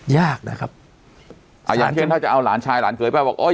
ยากนะครับอ่าอย่างเช่นถ้าจะเอาหลานชายหลานเคยป้าบอกโอ้ย